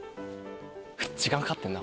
時間かかってんな